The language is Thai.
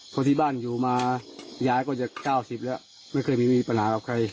เพราะที่บ้านอยู่มายายก็จะ๙๐แล้วไม่เคยมีปัญหากับใคร